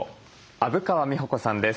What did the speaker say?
虻川美穂子さんです。